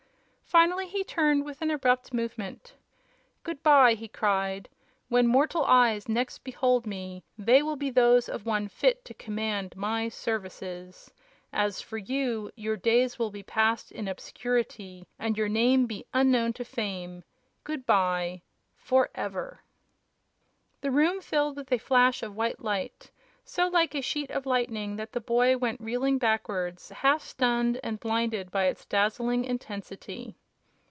Finally he turned with an abrupt movement. "Good by!" he cried. "When mortal eyes next behold me they will be those of one fit to command my services! As for you, your days will be passed in obscurity and your name be unknown to fame. Good by, forever!" The room filled with a flash of white light so like a sheet of lightning that the boy went reeling backwards, half stunned and blinded by its dazzling intensity.